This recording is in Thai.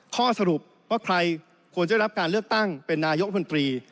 ข้อสรุปว่าใครควรจะได้รับการเลือกตั้งเป็นนายกมนตรี